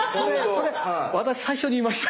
それ私最初に言いました。